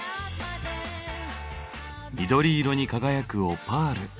緑色に輝くオパール。